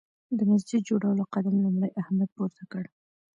د مسجد جوړولو قدم لومړی احمد پورته کړ.